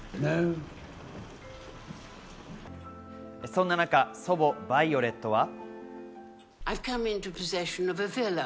そんな中、祖母・バイオレットは。